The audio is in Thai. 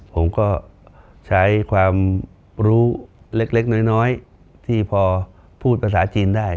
ผมก็ใช้ความรู้เล็กน้อยที่พอพูดภาษาจีนได้